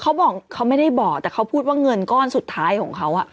เขาบอกเขาไม่ได้บอกแต่เขาพูดว่าเงินก้อนสุดท้ายของเขา